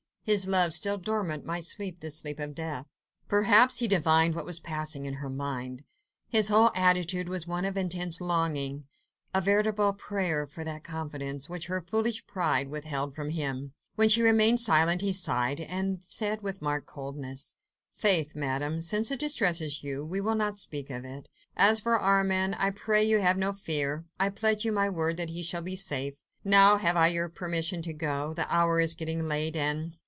His love still dormant might sleep the sleep of death. Perhaps he divined what was passing in her mind. His whole attitude was one of intense longing—a veritable prayer for that confidence, which her foolish pride withheld from him. When she remained silent he sighed, and said with marked coldness— "Faith, Madame, since it distresses you, we will not speak of it. ... As for Armand, I pray you have no fear. I pledge you my word that he shall be safe. Now, have I your permission to go? The hour is getting late, and